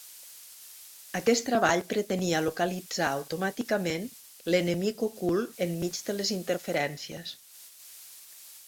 Aquest treball pretenia localitzar automàticament l’enemic ocult enmig de les interferències.